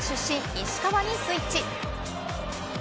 石川にスイッチ。